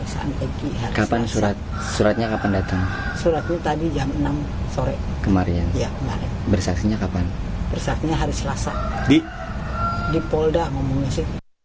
orang tua peggy akan berkoordinasi dengan kuasa hukum yang akan ditempuh